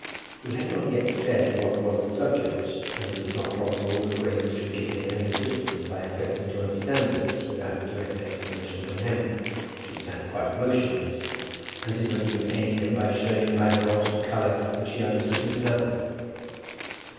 He had not yet said what was the subject, and it was not probable that Grace should give him any assistance by affecting to understand this without direct explanation from him. She sat quite motionless, and did not even aid him by showing by her altered colour that she understood his purpose.